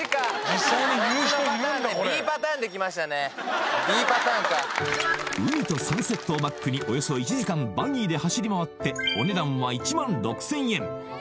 実際に海とサンセットをバックにおよそ１時間バギーで走り回ってお値段は１万６０００円